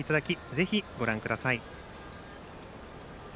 ぜひご覧ください。